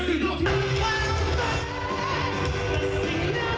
ดี